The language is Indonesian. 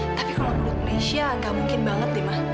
tapi kalau untuk nisha gak mungkin banget deh ma